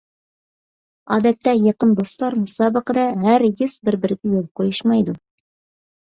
ئادەتتە يېقىن دوستلار مۇسابىقىدە ھەرگىز بىر-بىرىگە يول قويۇشمايدۇ.